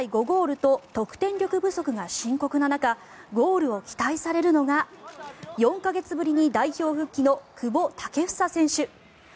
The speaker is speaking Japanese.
５ゴールと得点力不足が深刻な中ゴールを期待されるのが４か月ぶりに代表復帰の久保建英選手。